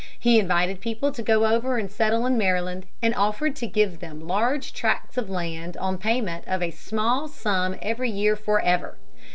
He invited people to go over and settle in Maryland and offered to give them large tracts of land on the payment of a small sum every year forever.